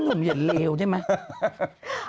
นุ่มเย็นเลวใช่ไหม